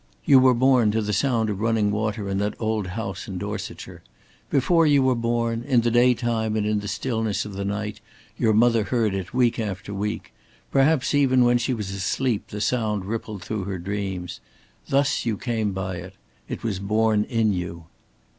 You were born to the sound of running water in that old house in Dorsetshire. Before you were born, in the daytime and in the stillness of the night your mother heard it week after week. Perhaps even when she was asleep the sound rippled through her dreams. Thus you came by it. It was born in you."